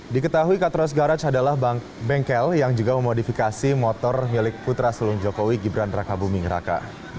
diketahui katros garj adalah bengkel yang juga memodifikasi motor milik putra selung jokowi gibran raka buming raka